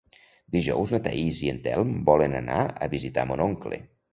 Dijous na Thaís i en Telm volen anar a visitar mon oncle.